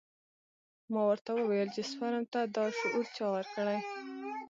ما ورته وويل چې سپرم ته دا شعور چا ورکړى.